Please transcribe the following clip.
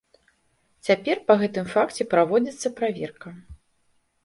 Цяпер па гэтым факце праводзіцца праверка.